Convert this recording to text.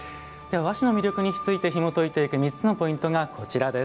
和紙の魅力についてひもといていく３つのポイントがこちらです。